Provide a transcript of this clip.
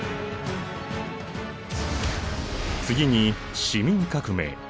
次に市民革命。